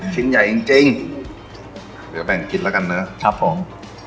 ชิ้นใหญ่จริง